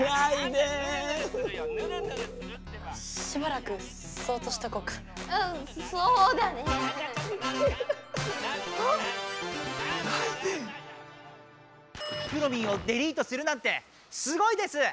くろミンをデリートするなんてすごいです！